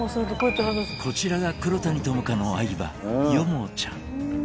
こちらが、黒谷友香の愛馬ヨモちゃん。